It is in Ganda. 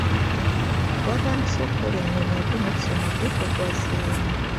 Twatandise okukola ennoni ate n'okusoma kuukwo kwazzemu.